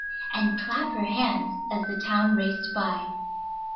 and clap her hands as the town raced by.